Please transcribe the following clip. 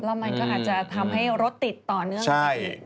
แล้วมันก็อาจจะทำให้รถติดต่อเนื่องได้อีก